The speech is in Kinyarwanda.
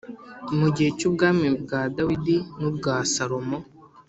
mu gihe cy’ubwami bwa dawidi n’ubwa salomo,